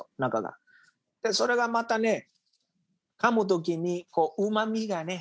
それがまたね噛む時にうまみがね